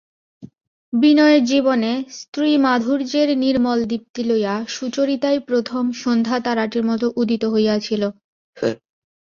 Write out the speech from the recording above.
বিনয়ের জীবনে স্ত্রীমাধুর্যের নির্মল দীপ্তি লইয়া সুচরিতাই প্রথম সন্ধ্যাতারাটির মতো উদিত হইয়াছিল।